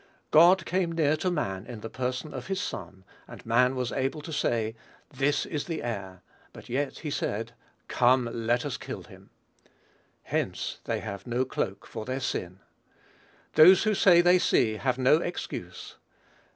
God came near to man in the person of his Son, and man was able to say, "this is the heir;" but yet he said, "come, let us kill him." Hence "they have no cloak for their sin." Those who say they see have no excuse.